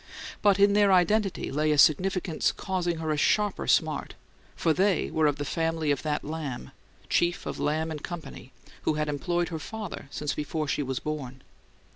But in their identity lay a significance causing her a sharper smart, for they were of the family of that Lamb, chief of Lamb and Company, who had employed her father since before she was born.